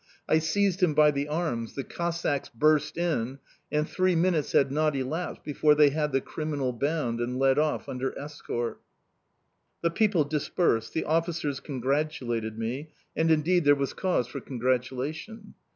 I seized him by the arms; the Cossacks burst in; and three minutes had not elapsed before they had the criminal bound and led off under escort. The people dispersed, the officers congratulated me and indeed there was cause for congratulation.